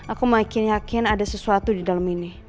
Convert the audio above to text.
aku makin yakin ada sesuatu di dalam ini